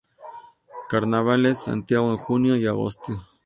Carnavales, Santiago en julio y agosto...